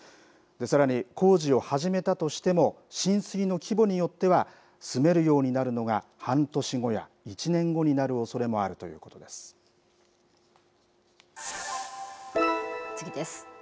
さらに、工事を始めたとしても、浸水の規模によっては、住めるようになるのが半年後や１年後になるおそれもあるというこ次です。